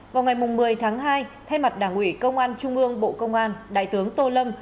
vào ngày một mươi tháng hai thay mặt đảng ủy công an trung ương bộ công an đại tướng tô lâm